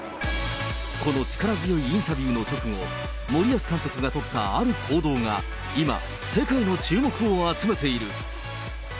この力強いインタビューの直後、森保監督が取ったある行動が今、世界の注目を集めている。